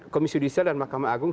komisi judisial dan mahkamah agung